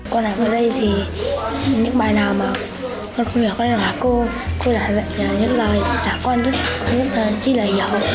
cô này vừa đây thì những bài nào mà cô không hiểu là cô cô đã dạy những lời giả quan nhất những lời chi lời hiểu